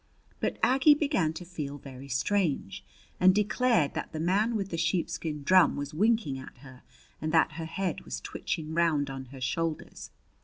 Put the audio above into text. But Aggie began to feel very strange, and declared that the man with the sheepskin drum was winking at her and that her head was twitching round on her shoulders.